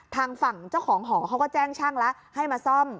ทางฝั่งเจ้าของหอเขาก็แจ้งช่างแล้วให้มาซ่อม